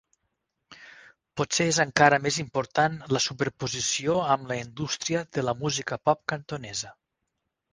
Potser és encara més important la superposició amb la indústria de la música pop cantonesa.